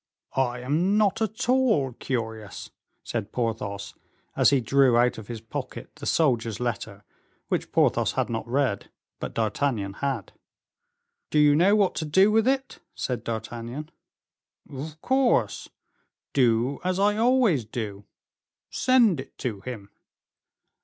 "I am not at all curious," said Porthos, as he drew out of his pocket the soldier's letter which Porthos had not read, but D'Artagnan had. "Do you know what to do with it?" said D'Artagnan. "Of course; do as I always do, send it to him."